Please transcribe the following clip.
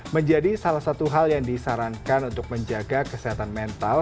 menjadi salah satu hal yang disarankan untuk menjaga kesehatan mental